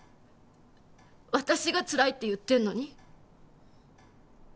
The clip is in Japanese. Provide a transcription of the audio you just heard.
私がつらいって言ってるのに？